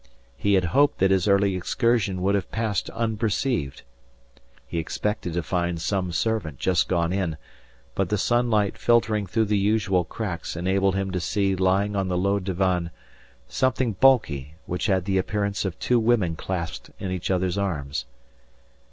He had hoped that his early excursion would have passed unperceived. He expected to find some servant just gone in; but the sunshine filtering through the usual cracks enabled him to see lying on the low divan something bulky which had the appearance of two women clasped in each other's arms.